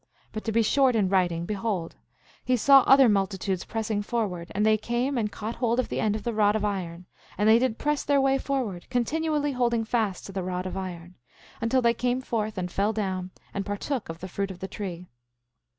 8:30 But, to be short in writing, behold, he saw other multitudes pressing forward; and they came and caught hold of the end of the rod of iron; and they did press their way forward, continually holding fast to the rod of iron, until they came forth and fell down and partook of the fruit of the tree.